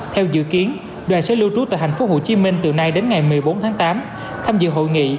theo dự kiến đoàn sẽ lưu trú tại tp hcm từ nay đến ngày một mươi bốn tháng tám tham dự hội nghị